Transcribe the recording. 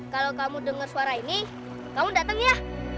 kalau kamu dengar suara ini kamu datang ya